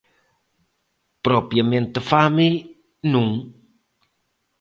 Propiamente fame, non.